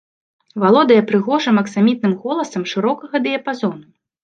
Валодае прыгожым аксамітным голасам шырокага дыяпазону.